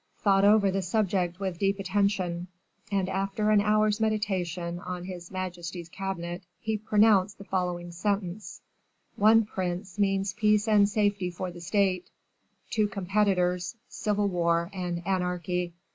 thought over the subject with deep attention, and after an hour's meditation in his majesty's cabinet, he pronounced the following sentence: 'One prince means peace and safety for the state; two competitors, civil war and anarchy.